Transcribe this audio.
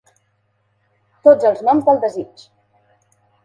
Tots els noms del desig.